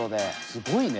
すごいね。